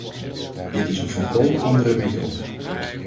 Dit is een volkomen andere methode.